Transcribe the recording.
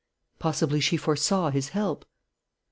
Possibly she foresaw his help.